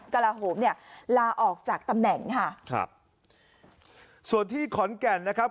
กระลาโหมเนี่ยลาออกจากตำแหน่งค่ะครับส่วนที่ขอนแก่นนะครับ